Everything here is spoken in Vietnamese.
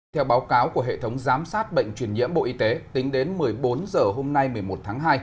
theo báo cáo của hệ thống giám sát bệnh truyền nhiễm bộ y tế tính đến một mươi bốn h hôm nay một mươi một tháng hai